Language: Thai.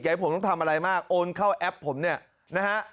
ให้ผมต้องทำอะไรมากโอนเข้าแอปผมเนี่ยนะฮะ